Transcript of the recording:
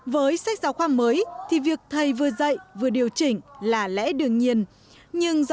với sách giáo khoa mới thì việc thầy vừa dạy vừa điều chỉnh là lẽ đương nhiên